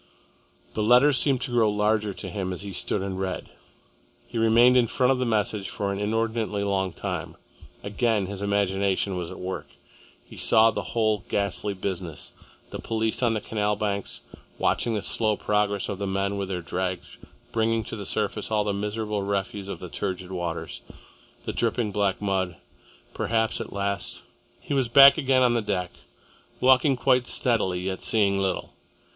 The letters seemed to grow larger to him as he stood and read. He remained in front of the message for an inordinately long time. Again his imagination was at work. He saw the whole ghastly business, the police on the canal banks, watching the slow progress of the men with their drags bringing to the surface all the miserable refuse of the turgid waters, the dripping black mud, perhaps at last.... He was back again on the deck, walking quite steadily yet seeing little.